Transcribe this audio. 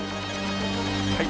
はい。